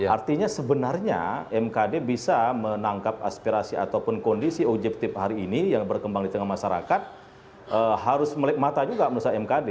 artinya sebenarnya mkd bisa menangkap aspirasi ataupun kondisi objektif hari ini yang berkembang di tengah masyarakat harus melihat mata juga menurut mkd